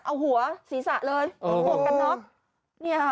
เอาหัวศีรษะเลยหมวกกันน็อกเนี่ยค่ะ